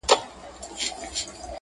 نو ما پوره غزل کړ